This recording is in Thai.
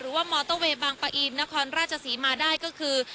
หรือว่ามอเตอร์เว้บางปาอีนมาได้ก็คือ